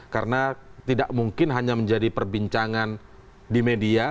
karena tidak mungkin hanya menjadi perbincangan di media